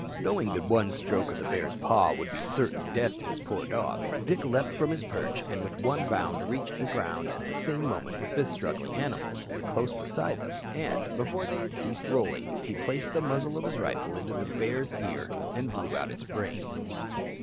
Knowing that one stroke of the bear's paw would be certain death to his poor dog, Dick leaped from his perch, and with one bound reached the ground at the same moment with the struggling animals, and close beside them, and, before they had ceased rolling, he placed the muzzle of his rifle into the bear's ear, and blew out its brains.